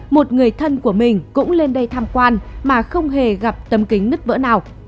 một người thân của mình cũng lên đây tham quan mà không hề gặp tấm kính nứt vỡ nào